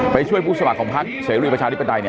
ไปช่วยผู้สมัครของพักเสรีประชาธิปไตย